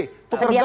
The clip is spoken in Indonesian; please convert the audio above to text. sedia tabung gas